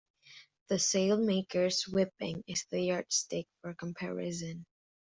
The sailmaker's whipping is the yardstick for comparison.